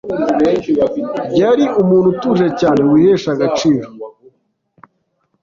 yari umuntu utuje cyane wihesha agaciro